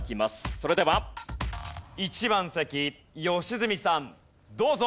それでは１番席良純さんどうぞ。